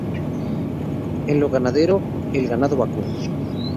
En lo ganadero, el Ganado Vacuno.